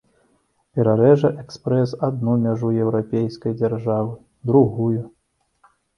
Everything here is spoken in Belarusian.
Перарэжа экспрэс адну мяжу еўрапейскай дзяржавы, другую.